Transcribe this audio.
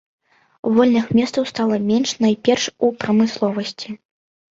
Вольных месцаў стала менш найперш у прамысловасці.